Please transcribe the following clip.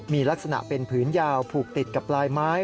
มีลักษณะเป็นผืนยาวผูกติดกับลายไม้